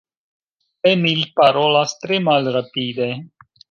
Emil parolas tre malrapide.